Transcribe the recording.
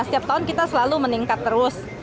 setiap tahun kita selalu meningkat terus